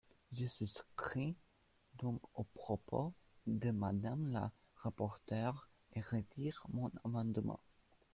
Je souscris donc aux propos de Madame la rapporteure, et retire mon amendement.